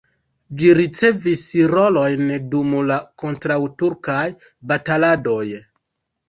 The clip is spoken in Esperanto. Ĝi ricevis rolojn dum la kontraŭturkaj bataladoj.